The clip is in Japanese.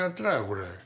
これ。